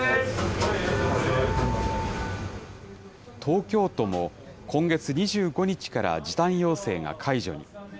東京都も、今月２５日から時短要請が解除に。